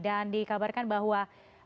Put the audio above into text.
dan dikabarkan bahwa